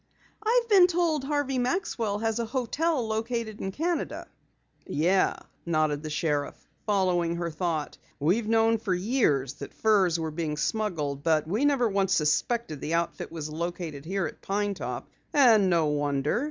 "I've been told Harvey Maxwell has a hotel located in Canada." "Yeah," nodded the sheriff, following her thought. "We've known for years that furs were being smuggled, but we never once suspected the outfit was located here at Pine Top. And no wonder.